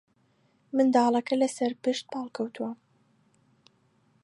منداڵەکە لەسەرپشت پاڵکەوتووە